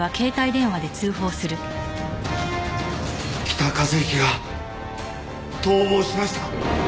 北一幸が逃亡しました。